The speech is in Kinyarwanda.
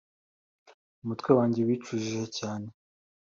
umutwe wanjye wicujije cyane